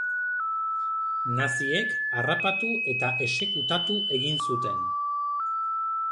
Naziek harrapatu eta exekutatu egin zuten.